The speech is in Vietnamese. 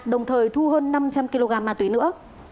đồng thời thu hơn năm trăm linh kg ma túy nữa